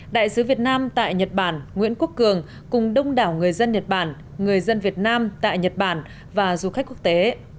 đại sứ việt nam tại nhật bản nguyễn quốc cường cùng đông đảo người dân nhật bản người dân việt nam tại nhật bản và du khách quốc tế